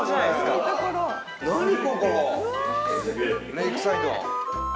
レイクサイド。